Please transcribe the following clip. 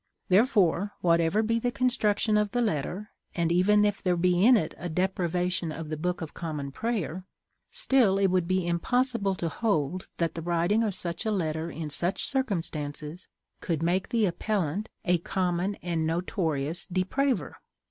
Therefore, whatever be the construction of the letter, and even if there be in it a depravation of the Book of Common Prayer, still it would be impossible to hold that the writing of such a letter in such circumstances could make the appellant "a common and notorious depraver."